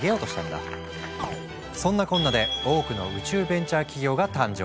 そんなこんなで多くの宇宙ベンチャー企業が誕生。